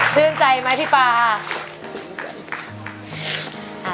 ชื่นใจไหมพี่ป่าชื่นใจ